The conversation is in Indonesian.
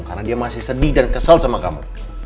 karena dia masih sedih dan kesel sama kamu